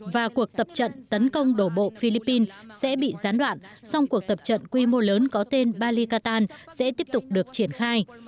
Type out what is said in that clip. và cuộc tập trận tấn công đổ bộ philippines sẽ bị gián đoạn song cuộc tập trận quy mô lớn có tên bali qatan sẽ tiếp tục được triển khai